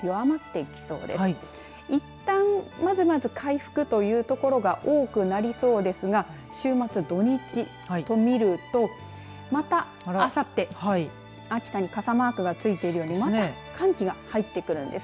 いったん、まずまず回復という所が多くなりそうですが、週末、土日と見ると、またあさって秋田に傘マークがついているようにまだ寒気が入ってくるんです。